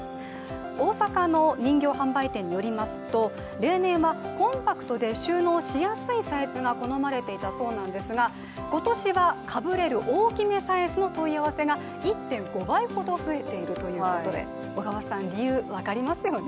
大阪の人形販売店によりますと、例年はコンパクトで収納しやすいサイズが好まれていたそうなんですが、今年はかぶれる大きめサイズの問い合わせが１．５倍ほど増えているということで、小川さん、理由、分かりますよね？